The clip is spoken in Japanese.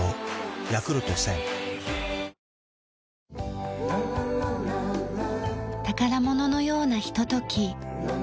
はじまる宝物のようなひととき。